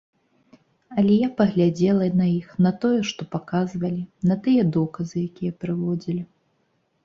Але я паглядзела на іх, на тое, што паказвалі, на тыя доказы, якія прыводзілі.